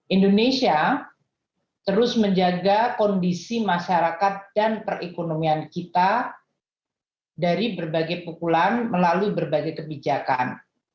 indonesia terus menjaga kondisi masyarakat dan perekonomian kita dari berbagai pukulan melalui berbagai kebijakan